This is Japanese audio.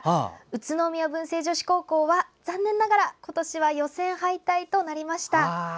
宇都宮文星女子高校は残念ながら今年は予選敗退となりました。